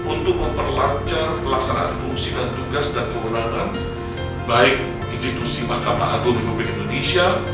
untuk memperlancar pelaksanaan fungsi dan tugas dan kewenangan baik institusi mahkamah agung republik indonesia